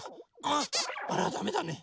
あらダメだね。